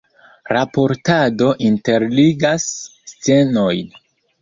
Raportado interligas scenojn.